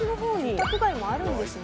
住宅街もあるんですね。